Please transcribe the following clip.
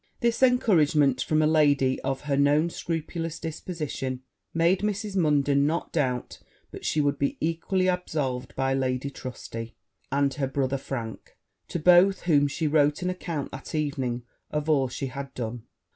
This encouragement, from a lady of her known scrupulous disposition, made Mrs. Munden not doubt but she would be equally absolved by Lady Trusty and her brother Frank; to both whom she wrote an account of all she had done.